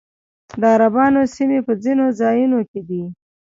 د عربانو سیمې په ځینو ځایونو کې دي